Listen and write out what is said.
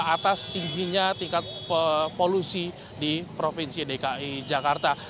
atas tingginya tingkat polusi di provinsi dki jakarta